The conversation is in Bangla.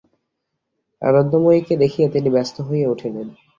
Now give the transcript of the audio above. আনন্দময়ীকে দেখিয়া তিনি ব্যস্ত হইয়া উঠিলেন।